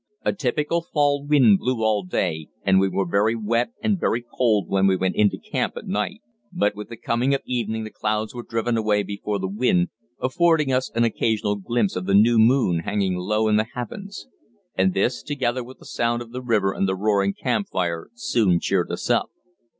A typical fall wind blew all day, and we were very wet and very cold when we went into camp at night. But with the coming of evening the clouds were driven away before the wind, affording us an occasional glimpse of the new moon hanging low in the heavens; and this, together with the sound of the river and the roaring campfire, soon cheered us up.